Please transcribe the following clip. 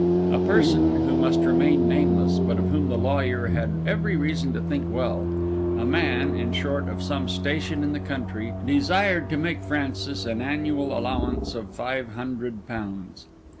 A person, who must remain nameless, but of whom the lawyer had every reason to think well—a man, in short, of some station in the country—desired to make Francis an annual allowance of five hundred pounds.